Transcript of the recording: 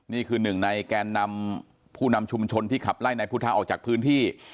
นี่คือหนึ่งในแกนนำผู้นำชุมชนที่ขับไล่นายพุทธะออกจากพื้นที่